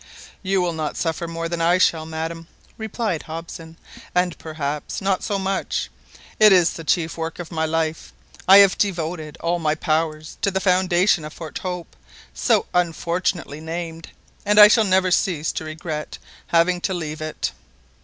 "You will not suffer more than I shall, madam," replied Hobson, "and perhaps not so much. It is the chief work of my life; I have devoted all my powers to the foundation of Fort Hope, so unfortunately named, and I shall never cease to regret having to leave it.